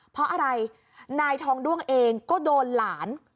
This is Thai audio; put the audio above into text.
เพราะอะไรนายทองด้วงเองก็โดนหลาน